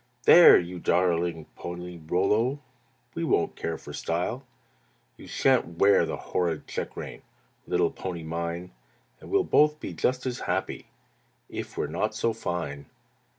'There! you darling Pony Rollo, We won't care for style. "'You shan't wear the horrid check rein, Little pony mine; And we'll both be just as happy If we're not so fine.'